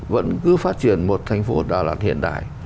vẫn cứ phát triển một thành phố đà lạt hiện đại